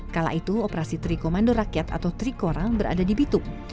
kala itu operasi trikomando rakyat atau trikorang berada di bitung